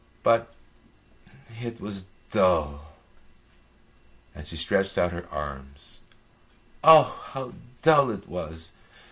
But it was dull," and she stretched out her arms. "Oh, how dull it was!